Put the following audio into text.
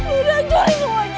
udah hancurin semuanya